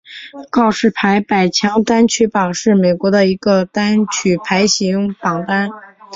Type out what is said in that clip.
告示牌百强单曲榜是美国的一个单曲排行榜单。